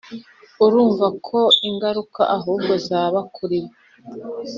urumva ko ingaruka ahubwo zaba kuri bo